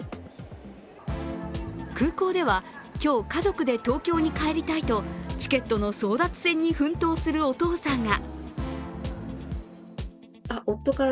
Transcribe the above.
空港では今日、家族で東京に帰りたいとチケットの争奪戦に奮闘するお父さんが。